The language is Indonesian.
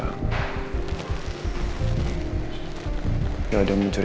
aku enggak mau makan